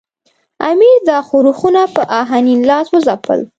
امیر دا ښورښونه په آهنین لاس وځپل.